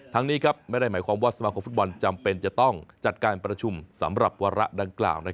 นี้ไม่ได้หมายความว่าสมาคมฟุตบอลจำเป็นจะต้องจัดการประชุมสำหรับวาระดังกล่าว